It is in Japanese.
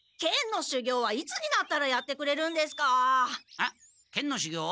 えっ剣のしゅぎょう？